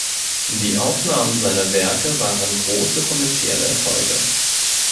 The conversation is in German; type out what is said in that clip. Die Aufnahmen seiner Werke waren große kommerzielle Erfolge.